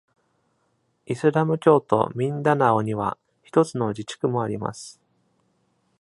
イスラム教徒ミンダナオには、ひとつの自治区もあります。